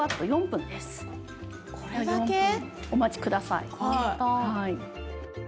４分お待ちください。